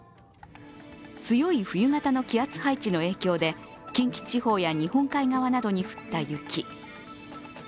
強い冬型の気圧配置の影響で近畿地方や日本海側などに降った雪。